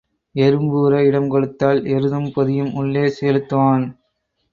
எறும்பு ஊர இடம் கொடுத்தால் எருதும் பொதியும் உள்ளே செலுத்துவான்.